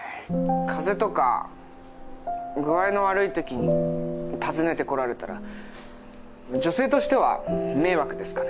風邪とか具合の悪いときに訪ねてこられたら女性としては迷惑ですかね？